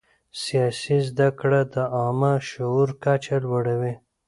سیاسي زده کړه د عامه شعور کچه لوړوي